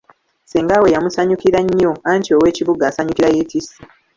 Ssenga we yamusanyukira nnyo anti ow'ekibuga asanyukira yeetisse.